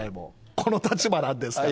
この立場なんですから。